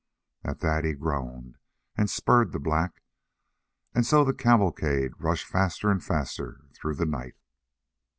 At that he groaned, and spurred the black, and so the cavalcade rushed faster and faster through the night.